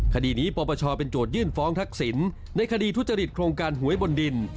คดีนี้ปปชเป็นโจทยื่นฟ้องทักษิณในคดีทุจริตโครงการหวยบนดิน